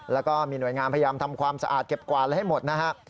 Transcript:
แล้วก็มีหน่วยงานพยายามทำความสะอาดเก็บกวาดอะไรให้หมดนะฮะ